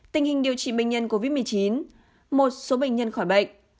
một số bệnh nhân khỏi bệnh